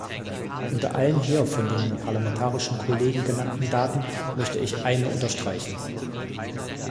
Unter allen hier von den parlamentarischen Kollegen genannten Daten möchte ich eine unterstreichen.